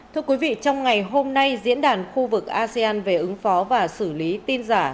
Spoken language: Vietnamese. thưa quý vị trong ngày hôm nay diễn đàn khu vực asean về ứng phó và xử lý tin giả